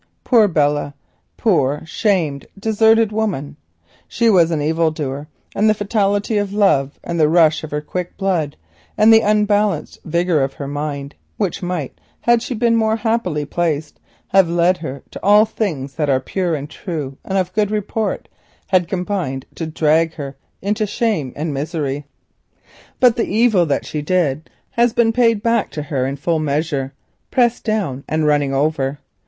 Poor Belle! Poor shamed, deserted woman! She was an evil doer, and the fatality of love and the unbalanced vigour of her mind, which might, had she been more happily placed, have led her to all things that are pure, and true, and of good report, combined to drag her into shame and wretchedness. But the evil that she did was paid back to her in full measure, pressed down and running over.